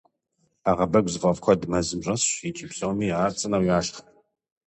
Ӏэгъэбэгу зыфӏэфӏ куэд мэзым щӏэсщ, икӏи псоми ар цӏынэу яшх.